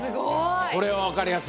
これは分かりやすいね。